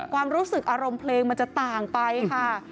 ความรู้สึกอารมณ์เพลงมันจะต่างไปค่ะ